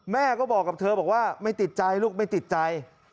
แม่ก็บอกกับเธอบอกว่าไม่ติดใจลูกไม่ติดใจ